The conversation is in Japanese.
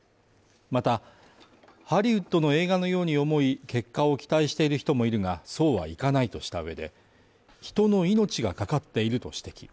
また、ハリウッドの映画のように思い結果を期待している人もいるが、そうはいかないとした上で、人の命がかかっていると指摘。